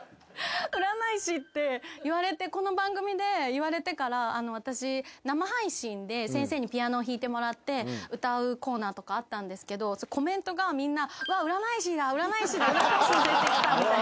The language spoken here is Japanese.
この番組で言われてから私生配信で先生にピアノを弾いてもらって歌うコーナーとかあったんですけどコメントがみんな占い師だ占い師だ占い師の先生来た。